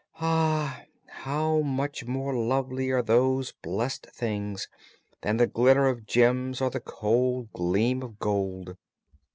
Ah, how much more lovely are those blessed things than the glitter of gems or the cold gleam of gold!"